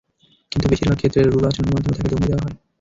কিন্তু বেশির ভাগ ক্ষেত্রে রূঢ় আচরণের মাধ্যমে তাকে দমিয়ে দেওয়া হয়।